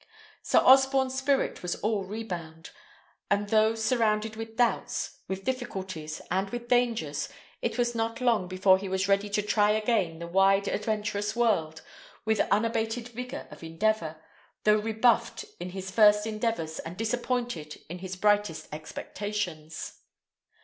Sir Osborne's spirit was all rebound; and though surrounded with doubts, with difficulties, and with dangers, it was not long before he was ready to try again the wide adventurous world, with unabated vigour of endeavour, though rebuffed in his first endeavours and disappointed in his brightest expectations.